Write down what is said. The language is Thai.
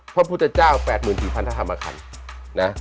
พระพุทธเจ้า๘๔๐๐๐ทธรรมคัน